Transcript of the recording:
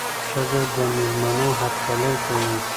ښځه د مېلمنو هرکلی کوي.